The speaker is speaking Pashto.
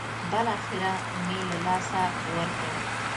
بالاخره مې له لاسه ورکړ.